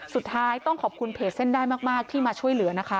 สุดท้ายต้องขอบคุณเพจเส้นได้มากที่มาช่วยเหลือนะคะ